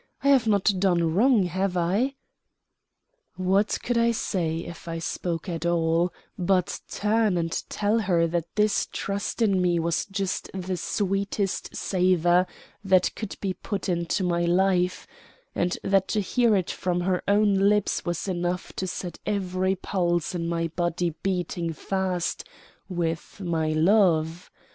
I have not done wrong, have I?" What could I say, if I spoke at all, but turn and tell her that this trust in me was just the sweetest savor that could be put into my life; and that to hear it from her own lips was enough to set every pulse in my body beating fast with my love?